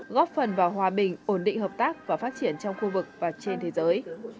góp phần vào hòa bình ổn định hợp tác và phát triển trong khu vực và trên thế giới